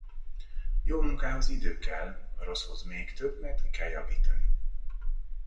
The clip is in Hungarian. Jó munkához idő kell. A rosszhoz még több, mert ki kell javítani.